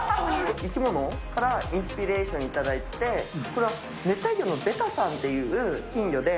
生き物からインスピレーション頂いて、これは熱帯魚のベタさんっていう金魚で。